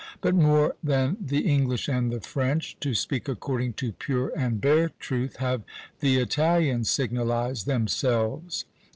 But more than the English and the French (to speak according to pure and bare truth) have the Italians signalised themselves."